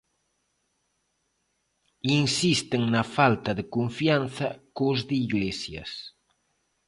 Insisten na falta de confianza cos de Iglesias.